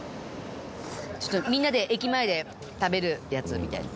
ちょっとみんなで駅前で食べるやつみたいな。